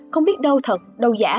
không biết đâu thật đâu giả